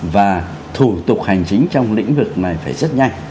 và thủ tục hành chính trong lĩnh vực này phải rất nhanh